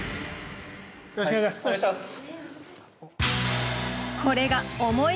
よろしくお願いします。